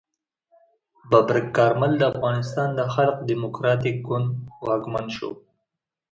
ببرک کارمل د افغانستان د خلق دموکراتیک ګوند واکمن شو.